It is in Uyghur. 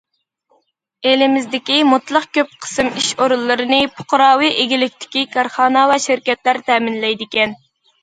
ئېلىمىزدىكى مۇتلەق كۆپ قىسىم ئىش ئورۇنلىرىنى پۇقراۋى ئىگىلىكتىكى كارخانا ۋە شىركەتلەر تەمىنلەيدىكەن.